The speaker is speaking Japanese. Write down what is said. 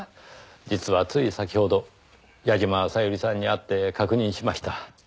実はつい先ほど矢嶋小百合さんに会って確認しました。